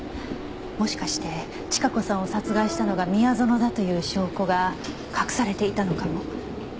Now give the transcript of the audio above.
もしかして千加子さんを殺害したのが宮園だという証拠が隠されていたのかも。